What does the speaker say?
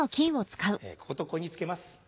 こことここに付けます。